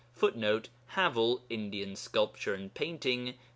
[Footnote: Havell, Indian Sculpture and Painting, p.